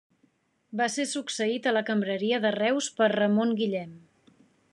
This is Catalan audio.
Va ser succeït a la cambreria de Reus per Ramon Guillem.